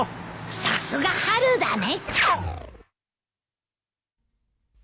さすが春だね。